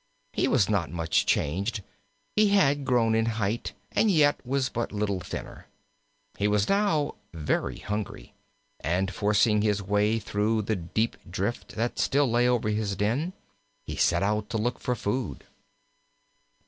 He was not much changed he had grown in height, and yet was but little thinner. He was now very hungry, and forcing his way through the deep drift that still lay over his den, he set out to look for food.